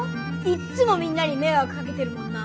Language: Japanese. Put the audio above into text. いっつもみんなにめいわくかけてるもんな。